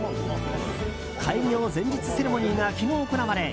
開業前日セレモニーが昨日行われ